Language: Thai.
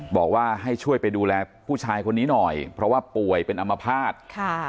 บอกว่าให้ช่วยไปดูแลผู้ชายคนนี้หน่อยเพราะว่าป่วยเป็นอัมพาต